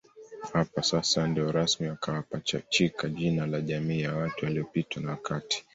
Hapa sasa ndio rasmi wakawapachachika jina la Jamii ya watu waliopitwa na wakati